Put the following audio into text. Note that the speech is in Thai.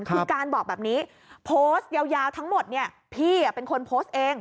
คุณการบอกแบบนี้โพสต์ยาวทั้งหมดเนี่ยพี่เป็นคนโพสต์เอง